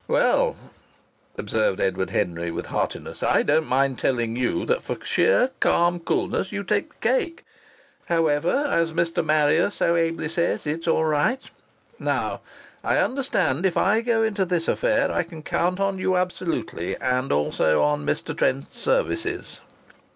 "Well," observed Edward Henry with heartiness, "I don't mind telling you that for sheer calm coolness you take the cake. However, as Mr. Marrier so ably says, it's all right. Now I understand if I go into this affair I can count on you absolutely, and also on Mr. Trent's services."